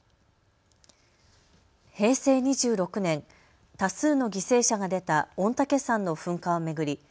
平成２６年、多数の犠牲者が出た御嶽山の噴火を巡り